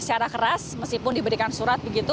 secara keras meskipun diberikan surat begitu